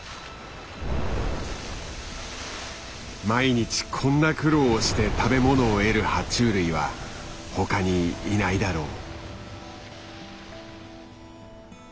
毎日こんな苦労をして食べものを得るは虫類は他にいないだろう。